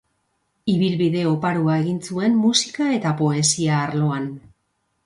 Ibilbide oparoa egin zuen musika eta poesia arloan.